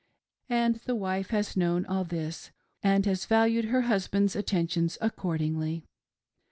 And the wife has known all this, and has valued her husband's attentions accordingly.